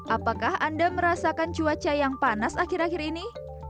apakah anda merasakan cuaca yang panas akhir akhir ini